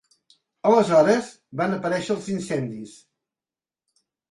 Aleshores van aparèixer els incendis.